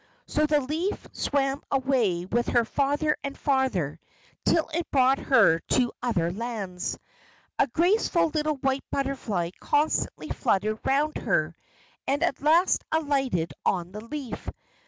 So the leaf swam away with her farther and farther, till it brought her to other lands. A graceful little white butterfly constantly fluttered round her, and at last alighted on the leaf.